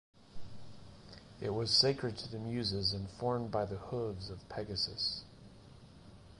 It was sacred to the Muses and formed by the hooves of Pegasus.